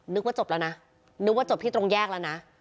นึกว่าจบแล้วนะนึกว่าจบที่ตรงแยกแล้วนะ